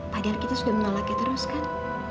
padahal kita sudah menolaknya terus kan